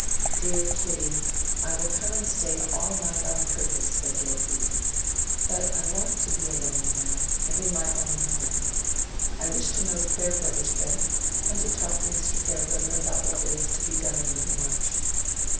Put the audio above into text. "Dear Kitty, I will come and stay all night on purpose," said Dorothea; "but I want to be alone now, and in my own home. I wish to know the Farebrothers better, and to talk to Mr. Farebrother about what there is to be done in Middlemarch."